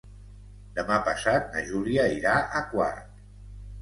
Demà passat na Júlia irà a Quart.